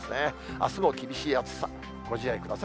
あすも厳しい暑さ、ご自愛くださ